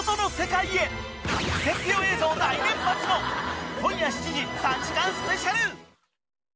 クセ強映像大連発の今夜７時３時間スペシャル。